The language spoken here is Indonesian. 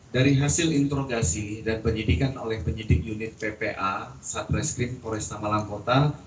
dari hasil introgasi dan penyidikan oleh penyidik unit ppa satreskrim poresta malang kota